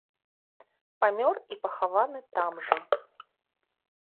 Памёр і пахаваны там жа.